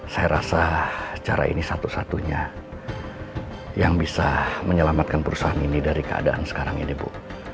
saya rasa cara ini satu satunya yang bisa menyelamatkan perusahaan ini dari keadaan sekarang ini bu